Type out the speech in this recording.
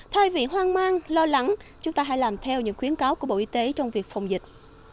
thay vì hoang mang lo lắng chúng ta hãy làm theo những khuyến cáo của bộ y tế trong việc phòng dịch